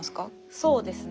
そうですね。